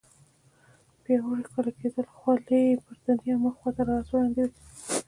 پیاوړي ښکارېدل، خولۍ یې پر تندي او مخ خواته راځوړندې وې.